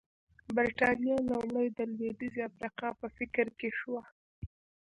برېټانیا لومړی د لوېدیځې افریقا په فکر کې شوه.